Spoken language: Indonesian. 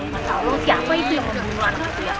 masya allah siapa itu yang membunuh anakku ya